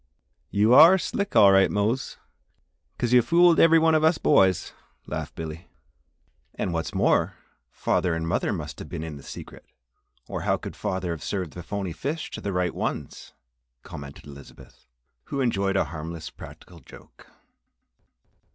"You are slick, all right, Mose, 'cause you fooled every one of us boys," laughed Billy. "And what's more, father and mother must have been in the secret, or how could father have served the phony fish to the right ones," commented Elizabeth, who enjoyed a harmless, practical joke.